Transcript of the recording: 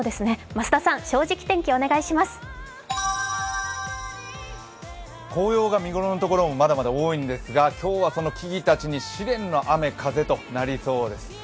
増田さん、「正直天気」お願いします紅葉が見頃なところもまだまだ多いんですが、今日はその木々たちに試練の雨・風となりそうです。